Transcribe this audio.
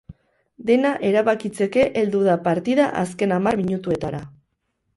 Dena erabakitzeke heldu da partida azken hamar minutuetara.